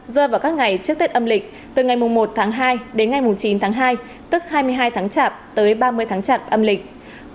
rơi vào các ngày trước tết âm lịch từ ngày một tháng hai đến ngày chín tháng hai tức hai mươi hai tháng chạp tới ba mươi tháng chạp âm lịch